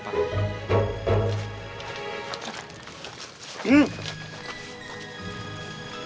tunggu kita taruhan